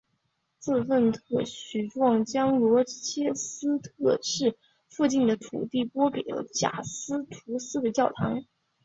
这份特许状将罗切斯特市附近的土地拨让给了贾斯图斯的教堂。